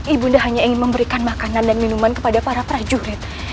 ibunda hanya ingin memberikan makanan dan minuman kepada para prajurit